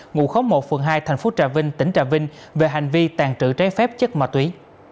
ngụ khống một phường hai tp trà vinh tỉnh trà vinh về hành vi tàn trữ trái phép chất ma túy